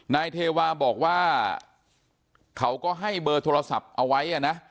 นายเทวาบอกว่าเขาก็ให้เบอร์โทรศัพท์เอาไว้นะ